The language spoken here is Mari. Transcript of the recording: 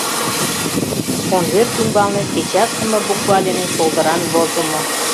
Конверт ӱмбалне печатлыме буква дене шолдыран возымо: